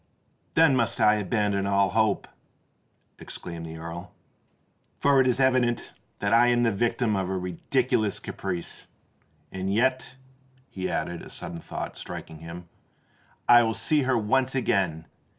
"Then must I abandon all hope!" exclaimed the Earl; "for it is evident that I am the victim of a ridiculous caprice. And yet," he added, a sudden thought striking him, "I will see her once again.